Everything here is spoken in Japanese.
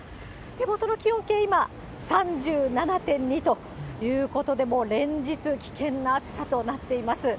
手元の気温計、今、３７．２ということで、もう連日、危険な暑さとなっています。